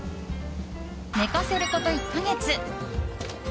寝かせること１か月。